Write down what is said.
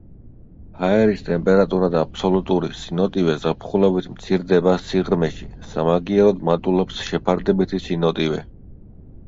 ჰაერის ტემპერატურა და აბსოლუტური სინოტივე ზაფხულობით მცირდება სიღრმეში, სამაგიეროდ მატულობს შეფარდებითი სინოტივე.